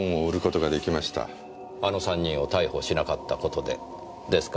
あの３人を逮捕しなかった事でですか？